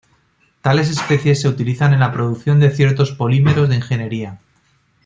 Tales especies se utilizan en la producción de ciertos polímeros de ingeniería.